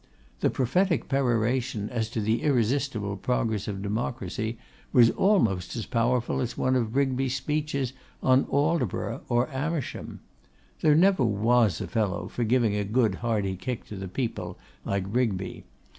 The prophetic peroration as to the irresistible progress of democracy was almost as powerful as one of Rigby's speeches on Aldborough or Amersham. There never was a fellow for giving a good hearty kick to the people like Rigby.